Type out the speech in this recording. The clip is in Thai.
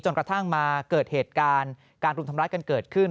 กระทั่งมาเกิดเหตุการณ์การรุมทำร้ายกันเกิดขึ้น